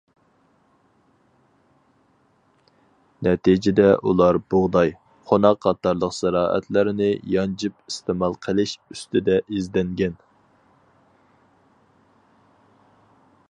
نەتىجىدە ئۇلار بۇغداي، قوناق قاتارلىق زىرائەتلەرنى يانجىپ ئىستېمال قىلىش ئۈستىدە ئىزدەنگەن.